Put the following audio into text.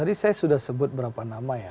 tadi saya sudah sebut berapa nama ya